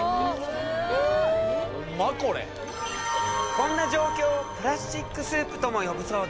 こんな状況をプラスチックスープとも呼ぶそうだ。